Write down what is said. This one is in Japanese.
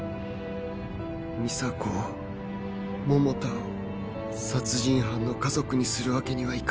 美沙子を百太を殺人犯の家族にするわけにはいかない